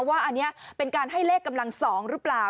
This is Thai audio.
ว่าอันนี้เป็นการให้เลขกำลัง๒หรือเปล่า